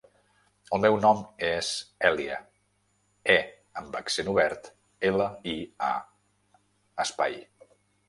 El meu nom és Èlia : e amb accent obert, ela, i, a, espai.